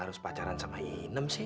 harus pacaran sama inem sih